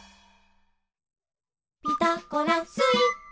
「ピタゴラスイッチ」